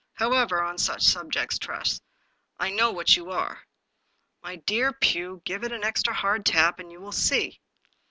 However, on such subjects. Tress, I know what you are." " My dear Pugh, give it an extra hard tap, and you will see."